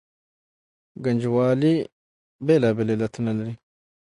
ګنجوالي بېلابېل علتونه لري.